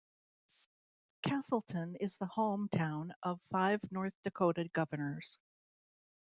Casselton is the hometown of five North Dakota governors.